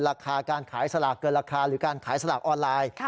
ราคาการขายสลากเกินราคาหรือการขายสลากออนไลน์